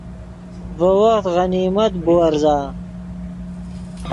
ڤے وخت غنیمت بُورزا